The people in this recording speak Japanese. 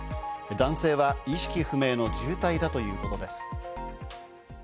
男性は意識不明の重体だということです。